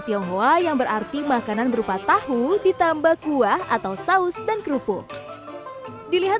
tionghoa yang berarti makanan berupa tahu ditambah kuah atau saus dan kerupuk dilihat